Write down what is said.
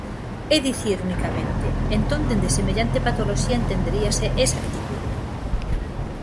É dicir unicamente, entón dende semellante patoloxía entenderíase esa actitude.